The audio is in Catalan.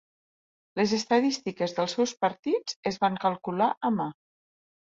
Les estadístiques dels seus partits es van calcular a mà.